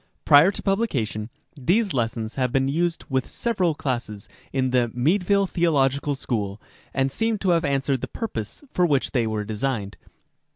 Prior to publication, these lessons have been used with sey eral classes in the " Meadville Theological School," and seem to have answered the purpose for which they were designed.